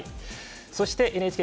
そしてＮＨＫ